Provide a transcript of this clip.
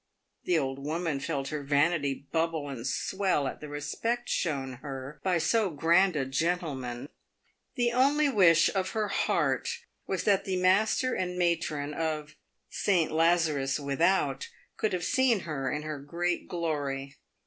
The old woman felt her vanity bubble and swell at the respect shown her by so grand a gentleman. The only wish of her heart was that the master and matron of " St. Lazarus Without'* could have seen her in her great glory.